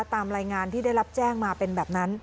ตามรายงานที่ได้รับแจ้งมาเป็นแบบนั้น